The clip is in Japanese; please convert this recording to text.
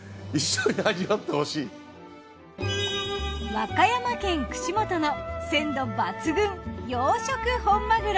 和歌山県串本の鮮度抜群養殖本マグロ。